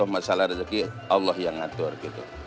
masalah rezeki allah yang ngatur gitu